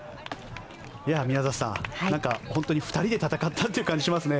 宮里さん、本当に２人で戦ったという感じがしますね。